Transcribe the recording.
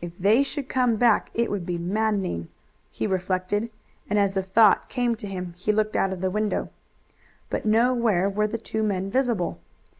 "If they should come back it would be maddening," he reflected, and as the thought came to him he looked out of the window. But nowhere were the two men visible.